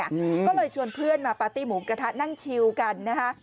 ก็เลยชวนเพื่อนมาปาร์ติหมูกระทะนั่งชิลกัน